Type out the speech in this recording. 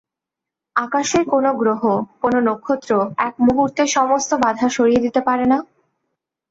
আকাশের কোনো গ্রহ, কোনো নক্ষত্র এক মুহূর্তে সমস্ত বাধা সরিয়ে দিতে পারে না?